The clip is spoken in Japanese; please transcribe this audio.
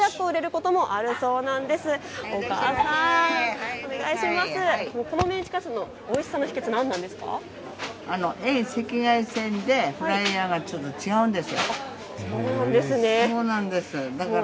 このメンチカツのおいしさの秘けつは何ですか。